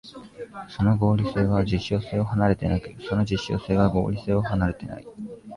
その合理性は実証性を離れてなく、その実証性は合理性を離れてない。